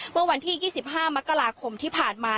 เมื่อวันที่๒๕มกราคมที่ผ่านมา